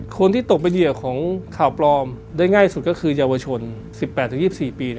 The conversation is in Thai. คนที่ตกเป็นเหยื่อของข่าวปลอมได้ง่ายสุดก็คือเยาวชน๑๘๒๔ปี